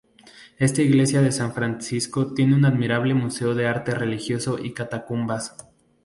Esta Iglesia de San Francisco tiene un admirable museo de arte religioso y catacumbas.